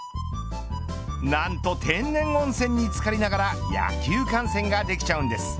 なんと天然温泉につかりながら野球観戦ができちゃうんです。